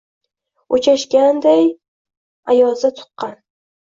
Oʼchashganday ayozda tuqqan.